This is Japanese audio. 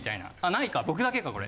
無いか僕だけかこれ。